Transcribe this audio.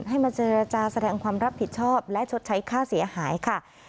ให้มาเจรจาแสดงความรับผิดชอบและชดใช้ค่าเสียหายค่ะ